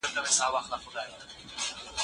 اقتصاد پوهانو نوي تيوريګانې وړاندې کړې وې.